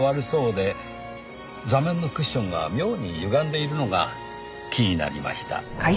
座面のクッションが妙にゆがんでいるのが気になりました。